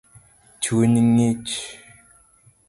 Chuny ngich